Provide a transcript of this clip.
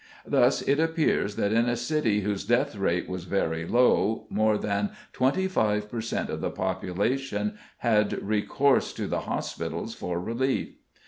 Thus it appears that in a city whose death rate was very low more than 25 per cent. of the population had recourse to the hospitals for relief.